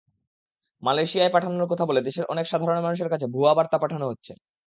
মালয়েশিয়ায় পাঠানোর কথা বলে দেশের অনেক সাধারণ মানুষের কাছে ভুয়া বার্তা পাঠানো হচ্ছে।